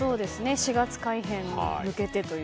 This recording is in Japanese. ４月改編に向けてという。